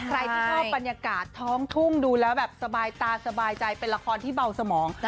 ใครที่ชอบบรรยากาศท้องทุ่งดูแล้วแบบสบายตาสบายใจเป็นละครที่เบาสมอง